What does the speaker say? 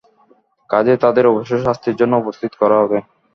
কাজেই তাদের অবশ্যই শাস্তির জন্য উপস্থিত করা হবে।